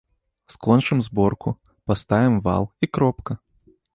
Скончым зборку, паставім вал, і кропка.